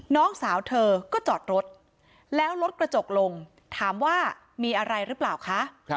น้องสาวเธอก็จอดรถแล้วรถกระจกลงถามว่ามีอะไรหรือเปล่าคะ